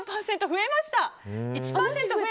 １％増えました。